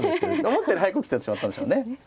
思ったより早く起きてしまったんでしょうね。